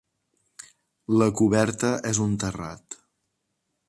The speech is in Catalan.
La coberta és un terrat.